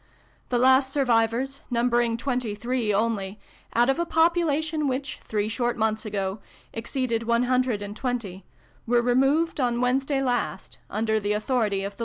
The last sur vivors, numbering twenty three only, oztt of a population which, three short months ago, ex ceeded one hundred and twenty, were removed on Wednesday last, under the authority of the xvm] A NEWSPAPER CUTTING.